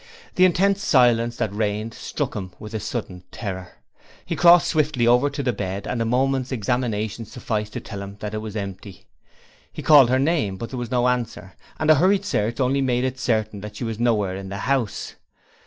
The intense silence that reigned struck him with a sudden terror. He crossed swiftly over to the bed and a moment's examination sufficed to tell him that it was empty. He called her name, but there was no answer, and a hurried search only made it certain that she was nowhere in the house.